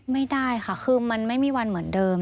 ไม่ได้ค่ะคือมันไม่มีวันเหมือนเดิม